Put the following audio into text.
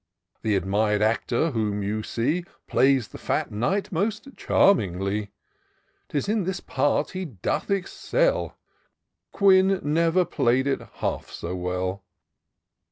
Th' admir'd actor whom you see Plays the fat Knight most charmingly: 'Tis in this part he doth excel ; Quin never play'd it half so well."